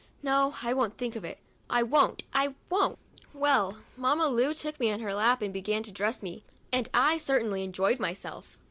No, I won't think of it; I won't, I won't! Well, Mamma Lu took me on her lap and began to dress me, and I certainly enjoyed myself.